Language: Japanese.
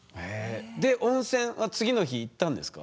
で温泉は次の日行ったんですか？